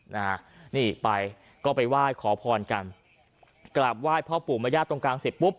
นะฮะนี่ไปก็ไปไหว้ขอพรกันกราบไหว้พ่อปู่มญาติตรงกลางเสร็จปุ๊บ